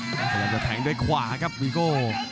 พยายามจะแทงด้วยขวาครับวีโก้